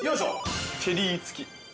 チェリー付き。